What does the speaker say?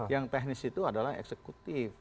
yang teknis itu adalah eksekutif